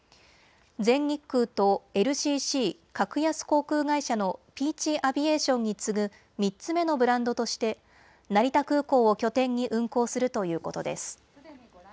全日空とＬＣＣ・格安航空会社のピーチ・アビエーションに次ぐ３つ目のブランドとして成田空港を拠点に運航するということです。